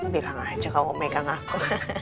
bilang aja kalau mau megang aku